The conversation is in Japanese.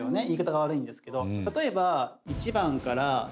言い方が悪いんですけど例えば①番から⑩